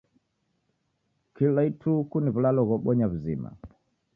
Kila ituku ni w'ulalo ghobonya w'uzima.